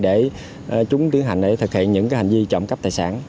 để chúng tiến hành để thực hiện những hành vi trộm cắp tài sản